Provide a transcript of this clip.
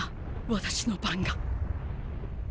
私の番が。